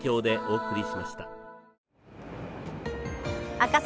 赤坂